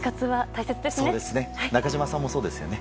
中島さんもそうですよね？